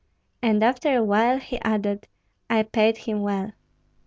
And after a while he added: "I paid him well."